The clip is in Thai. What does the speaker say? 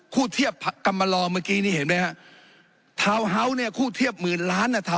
คู่เทียบกำมาลอเมื่อกี้นี่เห็นไหมฮะเนี่ยคู่เทียบหมื่นล้านน่ะ